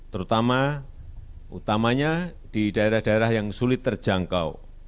terutama utamanya di daerah daerah yang sulit terjangkau